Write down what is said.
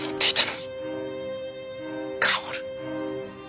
薫。